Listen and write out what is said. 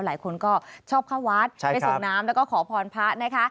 หลายคนก็ชอบเข้าวัดไปส่งน้ำแล้วก็ขอพรพระนะคะ